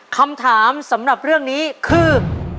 คำถามสำหรับเรื่องนี้คือ